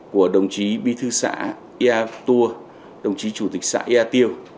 của đồng chí bi thư xã ea tua đồng chí chủ tịch xã ea tiêu